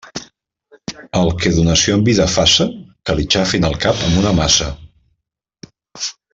El que donació en vida faça, que li xafen el cap amb una maça.